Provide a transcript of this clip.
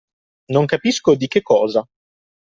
Non capisco di che cosa.